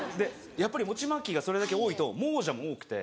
餅まきがそれだけ多いと猛者も多くて。